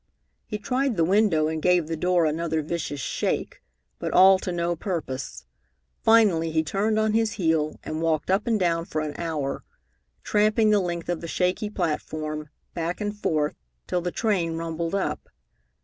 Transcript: He tried the window and gave the door another vicious shake, but all to no purpose. Finally he turned on his heel and walked up and down for an hour, tramping the length of the shaky platform, back and forth, till the train rumbled up.